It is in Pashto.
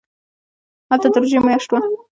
هلته د روژې میاشت وه.